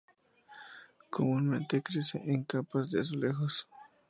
Comúnmente crece en capas de azulejos.